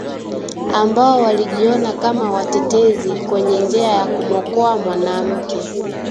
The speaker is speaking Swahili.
ambao walijiona kama watetezi kwenye njia ya kumwokoa mwanamke